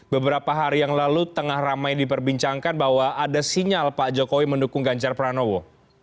beberapa hari yang lalu tengah ramai diperbincangkan bahwa ada sinyal pak jokowi mendukung ganjar pranowo